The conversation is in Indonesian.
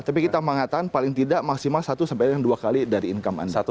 tapi kita mengatakan paling tidak maksimal satu dua kali dari income